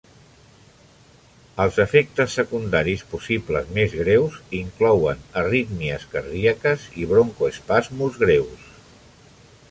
Els efectes secundaris possibles més greus inclouen arrítmies cardíaques i broncoespasmes greus.